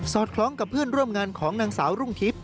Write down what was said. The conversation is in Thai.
คล้องกับเพื่อนร่วมงานของนางสาวรุ่งทิพย